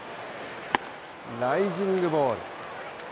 ライジングボール。